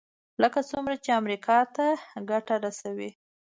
لکه څومره چې امریکا ته ګټه رسوي.